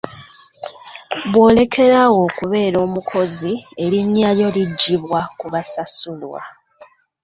Bw'olekera awo okubeera omukozi erinnya lyo liggyibwa ku basasulwa.